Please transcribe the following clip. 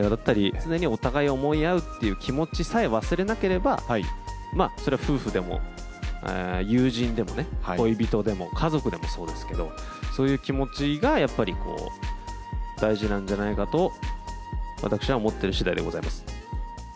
常にお互いを思い合うという気持ちさえ忘れなければ、それは夫婦でも友人でもね、恋人でも、家族でもそうですけど、そういう気持ちがやっぱり大事なんじゃないかと、私は思っているしだいでございます。